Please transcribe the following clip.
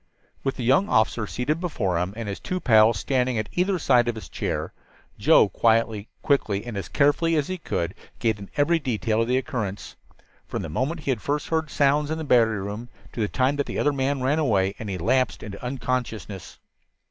With the young officer seated before him, and his two pals standing at either side of his chair, Joe, quietly, quickly and as carefully as he could, gave them every detail of the occurrence, from the moment he had first heard sounds in the battery room, to the time that the other man ran away and he lapsed into unconsciousness.